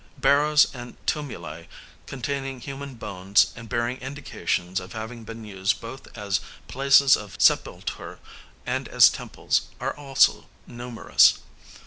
Barrows and tumuli containing human bones, and bearing indications of having been used both as places of sepulture and as temples, are also numerous.